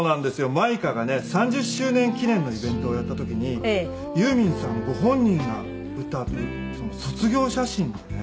マイカがね３０周年記念のイベントをやった時にユーミンさんご本人が歌う『卒業写真』をね